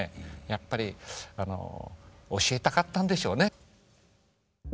やっぱり教えたかったんでしょうね。